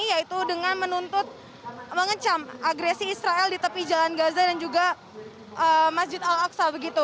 yaitu dengan menuntut mengecam agresi israel di tepi jalan gaza dan juga masjid al aqsa